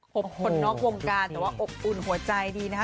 คนนอกวงการแต่ว่าอบอุ่นหัวใจดีนะคะ